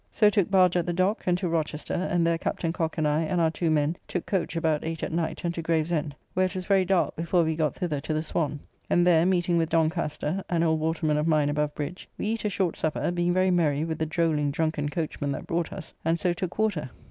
So took barge at the dock and to Rochester, and there Captain Cocke and I and our two men took coach about 8 at night and to Gravesend, where it was very dark before we got thither to the Swan; and there, meeting with Doncaster, an old waterman of mine above bridge, we eat a short supper, being very merry with the drolling, drunken coachman that brought us, and so took water.